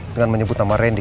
dengan menyebut nama randy